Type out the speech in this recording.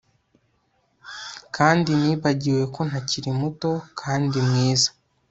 kandi nibagiwe ko ntakiri muto kandi mwiza